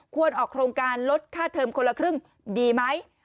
ออกโครงการลดค่าเทิมคนละครึ่งดีไหม